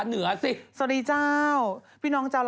หมดไจ้จ้าว